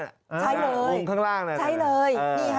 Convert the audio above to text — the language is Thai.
ใช่เลยใช่เลยนี่ค่ะมุมข้างล่างน่ะค่ะใช่เลย